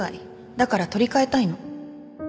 だから取り換えたいの。